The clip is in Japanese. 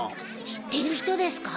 知ってる人ですか？